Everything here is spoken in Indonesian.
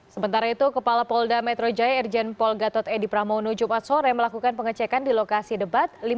sebentar itu kepala pol dan metro jaya erjen pol gatot edi pramono jumat sore melakukan pengecekan di lokasi debat